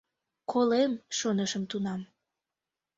Колем, шонышым тунам.